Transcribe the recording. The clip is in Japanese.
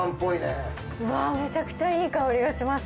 わぁめちゃくちゃいい香りがします。